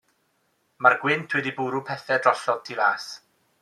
Ma'r gwynt wedi bwrw pethe drosodd tu fas.